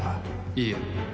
いいえ。